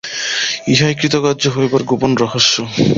ইহাই কৃতকার্য হইবার গোপন রহস্য।